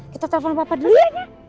kita telepon papa dulu